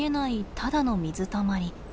ただの水たまり。